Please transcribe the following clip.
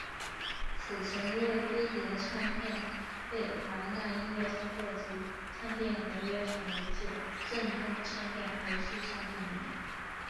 此前因为飞碟唱片被华纳音乐收购及唱片合约转移至正东唱片而去向不明。